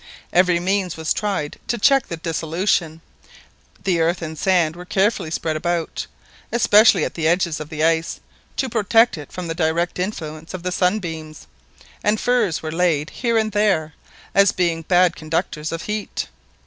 Every means was tried to check the dissolution; the earth and sand were carefully spread about, especially at the edges of the ice, to protect it from the direct influence of the sunbeams; and furs were laid here and there, as being bad conductors of heat.